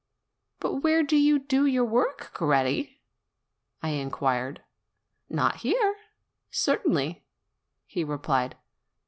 "But where do you do your work, Coretti?" I in quired. "Not here, certainly," he replied.